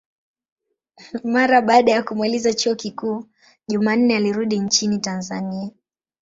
Mara baada ya kumaliza chuo kikuu, Jumanne alirudi nchini Tanzania.